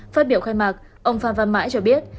phát biểu khai mạc ông phan văn mãi cho biết